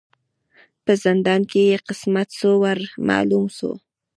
په زندان کی یې قسمت سو ور معلوم سو